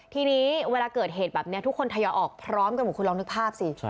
ทีนี้เวลาเกิดเหตุแบบนี้ทุกคนทยอยออกพร้อมกันหมดคุณลองนึกภาพสิ